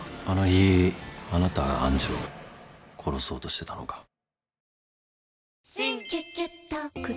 「あの日あなたが愛珠を殺そうとしてたのか」